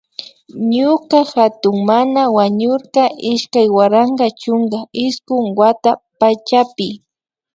Ñuka hatunmana wañurka iskay waranka chunka iskun wata pachapi